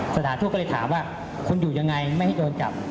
สถานทูตก็เลยถามว่าคุณอยู่ยังไงไม่ให้โดนจับ